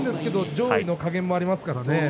上位の加減もありますからね